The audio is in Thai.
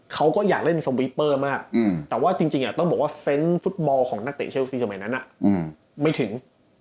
เขาก็อยากเล่นสปีเปอร์มากแต่ว่าจริงต้องบอกว่าเซนต์ฟุตบอลของนักเตะเชลซีสมัยนั้นไม่ถึง